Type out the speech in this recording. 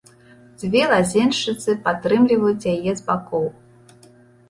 Дзве лазеншчыцы падтрымліваюць яе з бакоў.